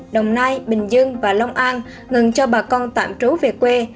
đồng nai bình dương và long an ngừng cho bà con tạm trú về quê